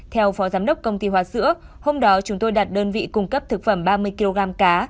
theo phó giám đốc công ty hoa sữa hôm đó chúng tôi đặt đơn vị cung cấp thực phẩm ba mươi kg cá